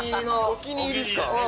お気に入りっすか。